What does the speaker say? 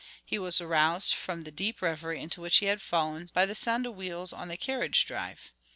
He was aroused from the deep revery into which he had fallen by the sound of wheels on the carriage drive.